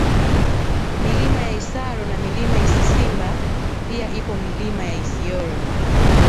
Milima ya Isaro na Mlima Isisimba pia ipo Milima ya Isyoro